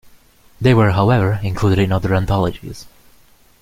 They were however included in other anthologies.